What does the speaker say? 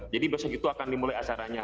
jadi besok itu akan dimulai acaranya